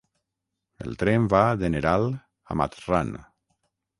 El tren va de Neral a Mathran.